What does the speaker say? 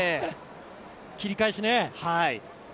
切り返しね！